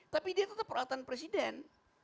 tapi dia tetap peralatan presiden